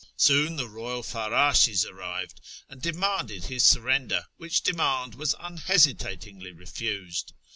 Soon the royal farrdshes arrived, and demanded his surrender, which demand was unhesitatingly refused.